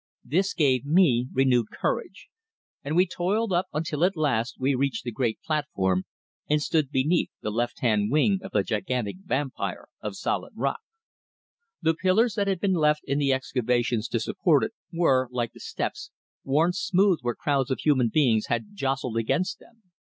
This gave me renewed courage, and we toiled up until at last we reached the great platform and stood beneath the left hand wing of the gigantic vampire of solid rock. The pillars that had been left in the excavations to support it, were, like the steps, worn smooth where crowds of human beings had jostled against them.